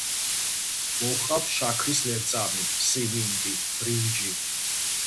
მოჰყავთ შაქრის ლერწამი, სიმინდი, ბრინჯი.